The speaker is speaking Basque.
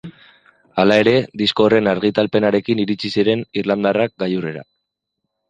Hala ere, disko horren argitalpenarekin iritsi ziren irlandarrak gailurrera.